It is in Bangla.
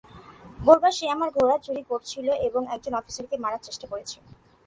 বলবা সে আমার ঘোড়া চুরি করছিল এবং একজন অফিসারকে মারার চেষ্টা করেছে।